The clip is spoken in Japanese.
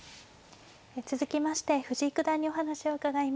続きまして藤井九段にお話を伺います。